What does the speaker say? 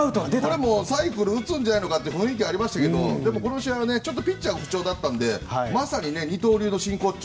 サイクル打つんじゃないのかっていう雰囲気がありましたけどこの試合はピッチャーが不調だったので二刀流の真骨頂